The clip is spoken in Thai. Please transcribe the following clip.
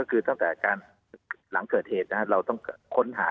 ก็คือตั้งแต่การหลังเกิดเหตุเราต้องค้นหา